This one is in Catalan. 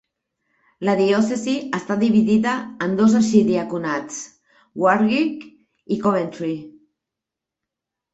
La diòcesi està dividida en dos arxidiaconats, Warwick i Coventry.